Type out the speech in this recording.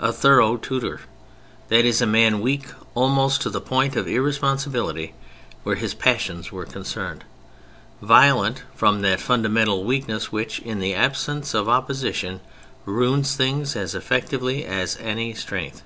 a thorough Tudor, that is, a man weak almost to the point of irresponsibility where his passions were concerned; violent from that fundamental weakness which, in the absence of opposition, ruins things as effectively as any strength.